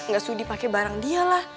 gak sudi pakai barang dia lah